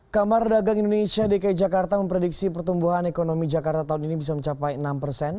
kamar dagang indonesia dki jakarta memprediksi pertumbuhan ekonomi jakarta tahun ini bisa mencapai enam persen